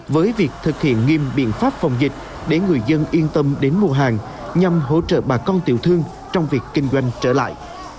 với việc thực hiện nghiêm biện pháp phòng dịch để người dân yên tâm đến mua hàng nhằm hỗ trợ bà con tiểu thương trong việc kinh doanh trở lại